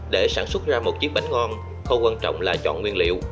để sản xuất ra một chiếc bánh ngon khâu quan trọng là chọn nguyên liệu